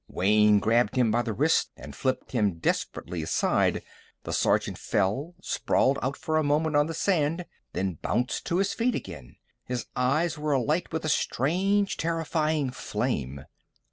Wayne grabbed him by the wrist and flipped him desperately aside. The sergeant fell, sprawled out for a moment on the sand, then bounced to his feet again. His eyes were alight with a strange, terrifying flame.